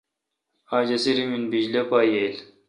اج اسی ریمن بجلی پا ییل۔